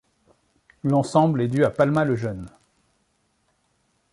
L'ensemble est due à Palma le jeune.